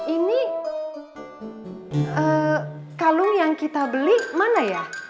ini kalung yang kita beli mana ya